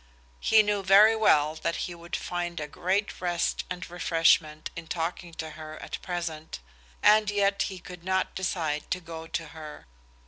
He knew very well that he would find a great rest and refreshment in talking to her at present, and yet he could not decide to go to her.